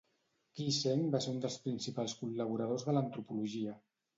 Keesing va ser un dels principals col·laboradors de l'antropologia.